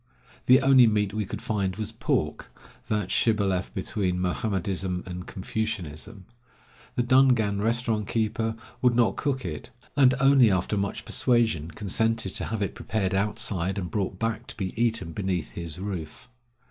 The only meat we could find was pork, that shibboleth between Mohammedanism and Confucianism. The Dungan restaurant keeper would not 169 A ROAD MARK IN THE GOBI DESERT. cook it, and only after much persuasion consented to have it prepared outside and brought back to be eaten beneath his roof.